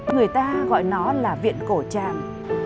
người ta gọi nó là viện cổ tràng